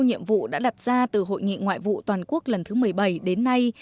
năm nhiệm vụ đã đặt ra từ hội nghị ngoại vụ toàn quốc lần thứ một mươi bảy đến nay